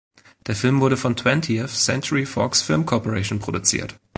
Der Film wurde von Twentieth Century Fox Film Corporation produziert.